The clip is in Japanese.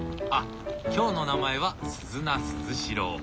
あっ今日の名前はスズナスズシロ！